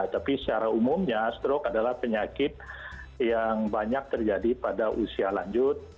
tapi secara umumnya stroke adalah penyakit yang banyak terjadi pada usia lanjut